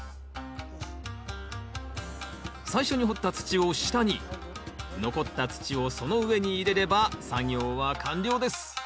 最初に掘った土を下に残った土をその上に入れれば作業は完了です